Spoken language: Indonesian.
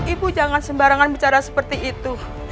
ibu jangan sembarangan bicara seperti itu